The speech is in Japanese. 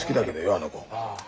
あの子。